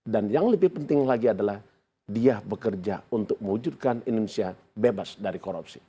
yang lebih penting lagi adalah dia bekerja untuk mewujudkan indonesia bebas dari korupsi